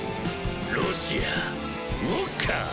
ロシアウォッカ！